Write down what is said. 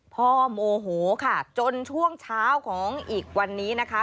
โมโหค่ะจนช่วงเช้าของอีกวันนี้นะคะ